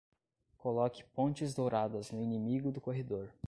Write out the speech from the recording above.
Coloque pontes douradas no inimigo do corredor.